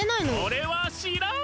それはしらん！